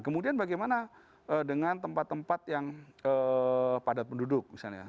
kemudian bagaimana dengan tempat tempat yang padat penduduk misalnya